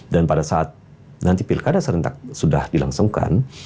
dan pada saat nanti pilkada serentak sudah dilangsungkan